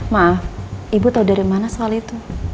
maaf ibu tahu dari mana soal itu